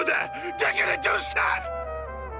だからどうした！